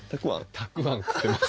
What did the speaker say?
たくあん食ってます。